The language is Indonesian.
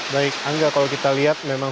baik angga kalau kita lihat memang